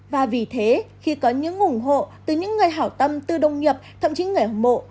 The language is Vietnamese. và vì thế khi có những ủng hộ từ những người hảo tâm tư đông nhập thậm chí người hâm mộ